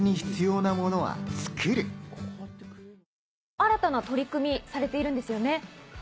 ・新たな取り組みされているんですよね？